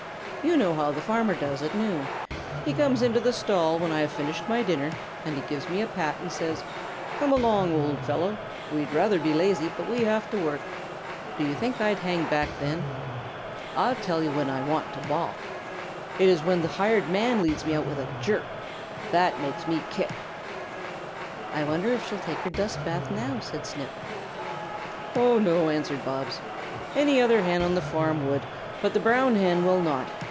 You know how the Farmer does at noon? He comes into the stall when I have finished my dinner, and he gives me a pat and says, 'Come along, old fellow. We'd rather be lazy, but we have to work.' Do you think I'd hang back then? I tell you when I want to balk. It is when the Hired Man leads me out with a jerk. That makes me kick." "I wonder if she will take her dust bath now?" said Snip. "Oh no," answered Bobs. "Any other Hen on the farm would, but the Brown Hen will not.